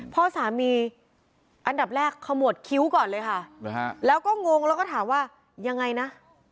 พ่อสามีอันดับแรกขมวดคิ้วก่อนเลยค่ะแล้วก็งงแล้วก็ถามว่ายังไงนะ